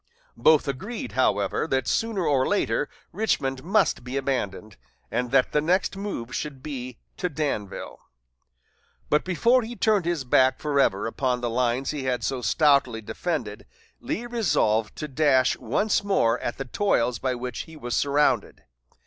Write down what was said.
Both agreed, however, that sooner or later Richmond must be abandoned, and that the next move should be to Danville. But before he turned his back forever upon the lines he had so stoutly defended, Lee resolved to dash once more at the toils by which he was surrounded.